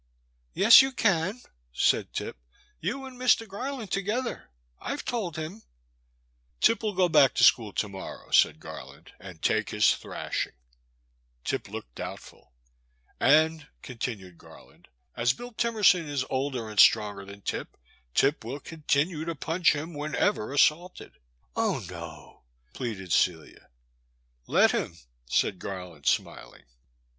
Yes you can,*' said Tip —you and Mr. Gar land together. I *ve told him.'* Tip will go back to school to morrow,*' said Garland, and take his thrashing. Tip looked doubtful. And," continued Garland, '* as Bill Timerson is older and stronger than Tip, Tip will continue to punch him whenever assaulted." *' Oh— no !" pleaded CeUa. " I^et him," said Garland, smiling.